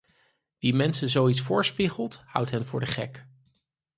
Wie mensen zoiets voorspiegelt, houdt hen voor de gek.